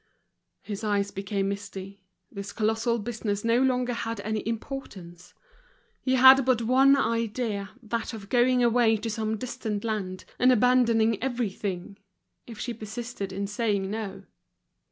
His eyes became misty, this colossal business no longer had any importance; he had but one idea, that of going away to some distant land, and abandoning everything, if she persisted in saying no.